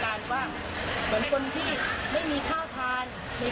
แล้วก็มีนักศึกษาที่เอาใบริวไว้มาแจกเพื่อที่ว่าจะเริ่มโครงการกว้าง